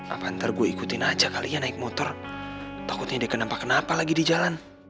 apa ntar gue ikutin aja kalinya naik motor takutnya dia kenapa kenapa lagi di jalan